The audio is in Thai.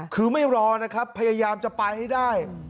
คือไม่รอนะครับพยายามจะไปให้ได้